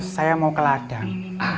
saya mau ke ladang